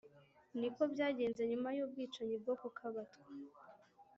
ni ko byagenze nyuma y'ubwicanyi bwo ku kabatwa.